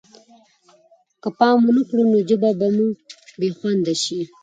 که پام ونه کړو نو ژبه به مو بې خونده شي.